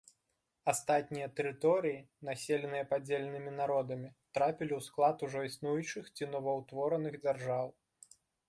Астатнія тэрыторыі, населеныя падзеленымі народамі, трапілі ў склад ужо існуючых ці новаўтвораных дзяржаў.